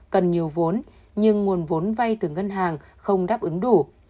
cần nhiều vốn nhưng nguồn vốn vay từ ngân hàng không đáp ứng đủ